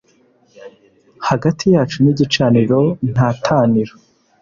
Hagati yacu n' igicaniro ntataniro